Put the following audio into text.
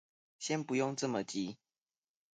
先不用這麼急